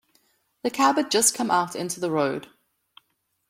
The cab had just come out into the road.